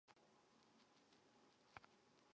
金万燮于是又与彼得等人重逢。